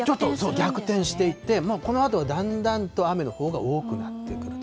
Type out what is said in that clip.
逆転していって、このあとだんだんと雨のほうが多くなってくる。